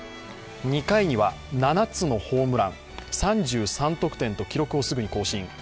２回には７つのホームラン、３３得点と記録をすぐに更新。